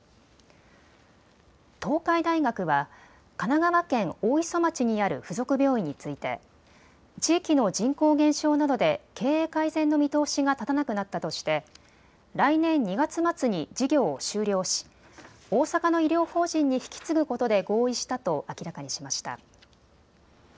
東海大学は神奈川県大磯町にある付属病院について地域の人口減少などで経営改善の見通しが立たなくなったとして来年２月末に事業を終了し大阪の医療法人に引き継ぐことで合意したと明らかにしました。